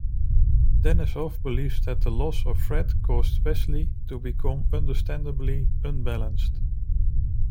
Denisof believes that the loss of Fred caused Wesley to become understandably "unbalanced".